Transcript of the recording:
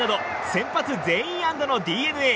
先発全員安打のＤｅＮＡ。